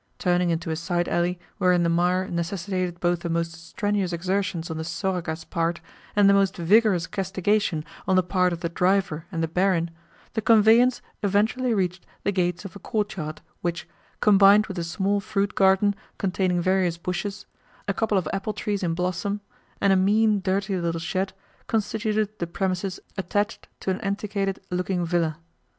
Turning into a side alley wherein the mire necessitated both the most strenuous exertions on the soroka's part and the most vigorous castigation on the part of the driver and the barin, the conveyance eventually reached the gates of a courtyard which, combined with a small fruit garden containing various bushes, a couple of apple trees in blossom, and a mean, dirty little shed, constituted the premises attached to an antiquated looking villa.